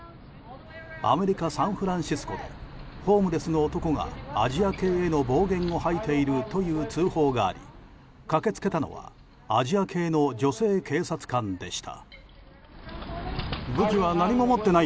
アメリカ・サンフランシスコでホームレスの男がアジア系への暴言を吐いているという通報があり駆けつけたのはアジア系の女性警察官でした。